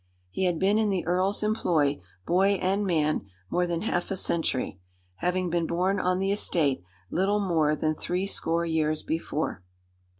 He had been in the earl's employ, boy and man, more than half a century, having been born on the estate little more than three score years before.